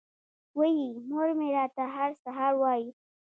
وې ئې مور مې راته هر سحر وائي ـ